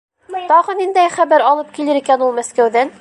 Тағы ниндәй хәбәр алып килер ул Мәскәүҙән?